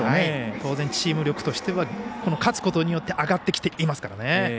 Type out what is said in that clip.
当然、チーム力としては勝つことによって上がってきていますからね。